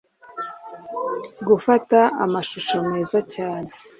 gufata amashusho meza cyane.